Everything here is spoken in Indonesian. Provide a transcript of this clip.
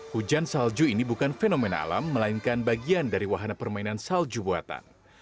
hujan salju ini bukan fenomena alam melainkan bagian dari wahana permainan salju buatan